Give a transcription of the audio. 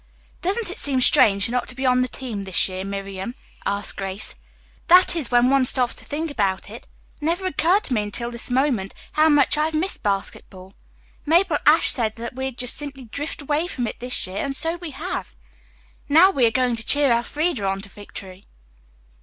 "Doesn't it seem strange not to be on the team this year, Miriam?" asked Grace. "That is, when one stops to think about it. It never occurred to me until this moment how much I have missed basketball. Mabel Ashe said that we'd just simply drift away from it this year, and so we have. Now we are going to cheer Elfreda on to victory."